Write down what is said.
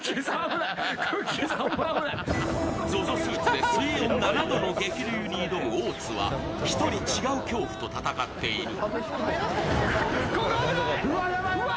ＺＯＺＯＳＵＩＴで水温７度の激流に挑む大津は１人、違う恐怖と戦っている。